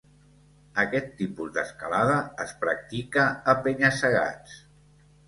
Aquest tipus d'escalada es practica a penya-segats.